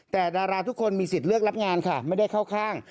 แต่ดาราทุกคนมีสิทธิ์เลือกรับงานค่ะไม่ได้เข้าข้าง